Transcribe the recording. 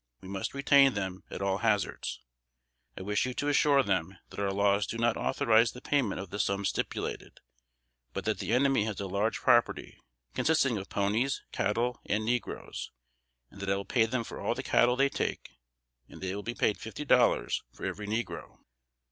We must retain them at all hazards. I wish you to assure them, that our laws do not authorize the payment of the sum stipulated; but that the enemy has a large property, consisting of ponies, cattle and negroes, and that I will pay them for all the cattle they take, and they will be paid fifty dollars for every negro.